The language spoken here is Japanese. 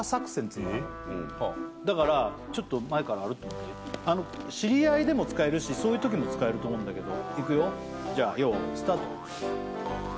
だからちょっと前から歩いてみてあの知り合いでも使えるしそういう時も使えると思うんだけどいくよじゃあ用意スタート